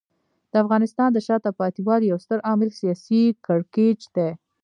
د افغانستان د شاته پاتې والي یو ستر عامل سیاسي کړکېچ دی.